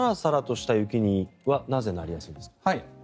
サラサラした雪になぜなりやすいんですか？